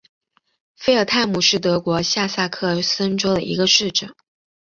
费尔泰姆是德国下萨克森州的一个市镇。